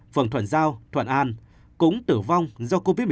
phường thuận giao thuận an cũng tử vong do covid một mươi chín